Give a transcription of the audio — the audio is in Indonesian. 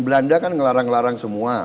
belanda kan ngelarang larang semua